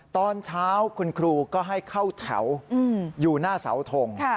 ตอนเช้าคุณครูก็ให้เข้าแถวอยู่หน้าเสาทง